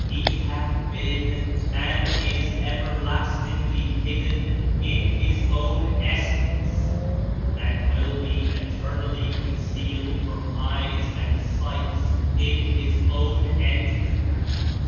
He hath been and Is everlastingly hidden In His Own Essence and win be eternally concealed from eyes and sights In His Own Entity.